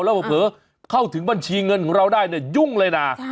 แล้วเผลอเข้าถึงบัญชีเงินของเราได้เนี่ยยุ่งเลยนะ